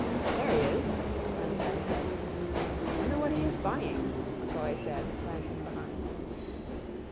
—There he is, Lenehan said. —Wonder what he's buying, M'Coy said, glancing behind.